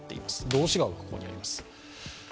道志川がここにあります。